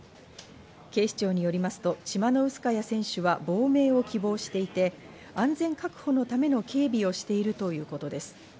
警視庁によりますと、チマノウスカヤ選手は亡命を希望していて、安全確保のための警備をしているということです。